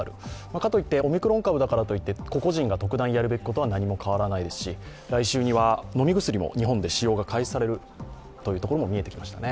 かといってオミクロン株だからといって個々人が特段やることは変わらないですし、来週には飲み薬も日本で開始されるところが見えてきましたね。